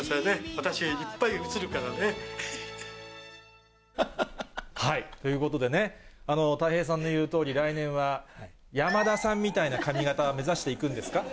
私、いっぱい映るからね。ということでね、たい平さんの言うとおり、来年は山田さんみたいな髪形、目指していくんですか？